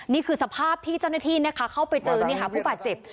นี่คือสภาพที่เจ้าหน้าที่นะคะเข้าไปเจอผู้บาดเจ็บ